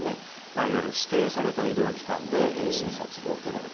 いわゆる指定された医療機関で診察を受けられる。